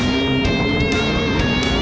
pak aku mau ke sana